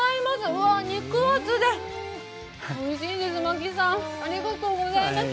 うわあ肉厚でおいしいです、槇さんありがとうございます。